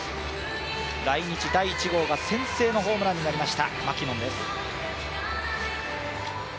来日第１号が先制のホームランになりましたマキノンです。